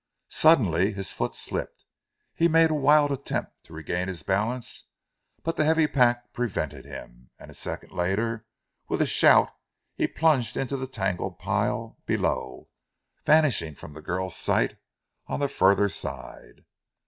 Suddenly his foot slipped. He made a wild attempt to regain his balance but the heavy pack prevented him, and a second later with a shout he plunged into the tangled pile below, vanishing from the girl's sight on the further side.